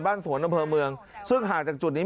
บ้านสวนตำเภอเมืองซึ่งหากจากจุดนี้